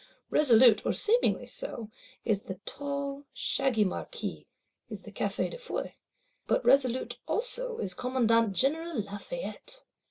Resolute, or seemingly so, is the tall shaggy Marquis, is the Café de Foy: but resolute also is Commandant General Lafayette.